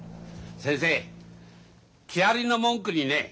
先生木遣りの文句にね